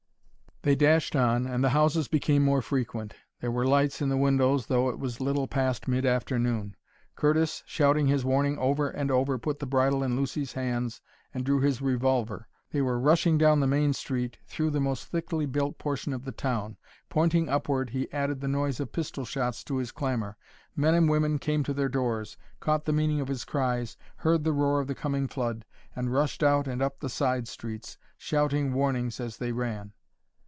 They dashed on, and the houses became more frequent. There were lights in the windows, though it was little past mid afternoon. Curtis, shouting his warning over and over, put the bridle in Lucy's hands and drew his revolver. They were rushing down the main street, through the most thickly built portion of the town. Pointing upward, he added the noise of pistol shots to his clamor. Men and women came to their doors, caught the meaning of his cries, heard the roar of the coming flood, and rushed out and up the side streets, shouting warnings as they ran.